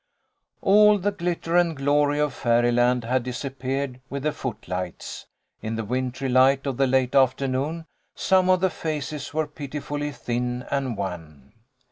All the glitter and glory of fairy land had disap peared with the footlights. In the wintry light of the late afternoon, some of the faces were pitifully thin and wan.